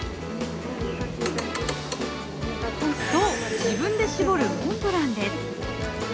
そう、自分で搾るモンブランです。